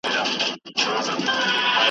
دریم لوری یې د ژوند نه دی لیدلی .